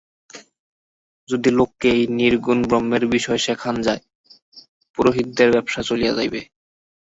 যদি লোককে এই নির্গুণ ব্রহ্মের বিষয় শেখান যায়, পুরোহিতদের ব্যবসা চলিয়া যাইবে।